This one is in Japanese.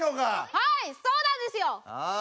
はいそうなんですよ！ああ。